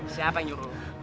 siapa yang nyuruh